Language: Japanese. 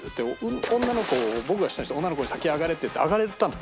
女の子を僕が下にして女の子に先上がれっていって上がれたの。